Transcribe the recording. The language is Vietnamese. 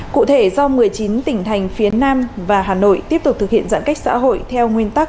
cụ thể do một mươi chín tỉnh thành phía nam và hà nội tiếp tục thực hiện giãn cách xã hội theo nguyên tắc